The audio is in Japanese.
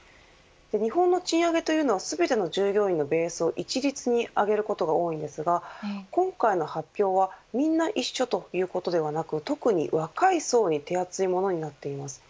日本の賃上げというのは、全ての従業員のベースを一律に上げることが多いんですが今回の発表はみんな一緒ということではなく特に若い層に手厚いものになっています。